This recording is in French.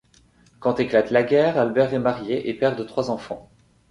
Quand éclate la guerre, Albert est marié et père de trois enfants.